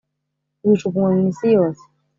bijugunywa mu isi yose